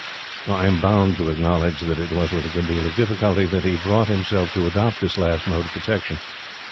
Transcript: I am bound to acknowledge that it was with a good deal of difficulty that he brought himself to adopt this last mode of protection.